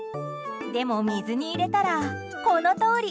でも水に入れたら、このとおり。